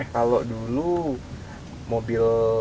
kalau dulu mobil